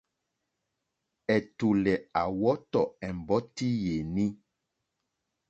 Ɛ̀tùlɛ̀ à wɔ́tɔ̀ ɛ̀mbɔ́tí yèní.